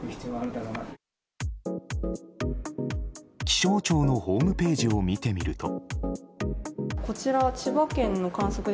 気象庁のホームページを見てみると。